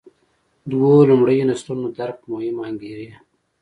دوو لومړیو نسلونو درک مهم انګېري.